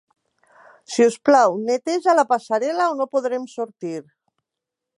Si us plau, neteja la passarel·la o no podrem sortir